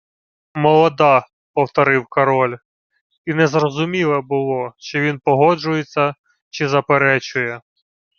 — Молода... — повторив король, і незрозуміле було, чи він погоджується, чи заперечує.